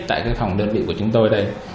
tại phòng đơn vị của chúng tôi đây